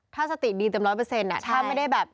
ถ้าสติดีเต็ม๑๐๐ถ้าไม่ได้แบบ